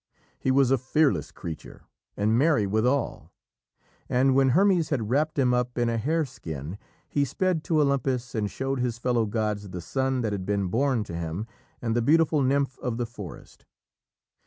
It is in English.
He was a fearless creature, and merry withal, and when Hermes had wrapped him up in a hare skin, he sped to Olympus and showed his fellow gods the son that had been born to him and the beautiful nymph of the forest.